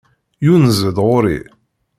Yunez-d ɣur-i.